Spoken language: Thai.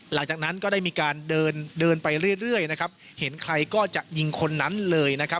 หลังจากนั้นก็ได้มีการเดินไปเรื่อยเห็นใครก็จะยิงคนนั้นเลย